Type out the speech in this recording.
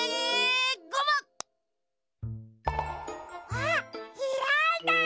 あっひらいた！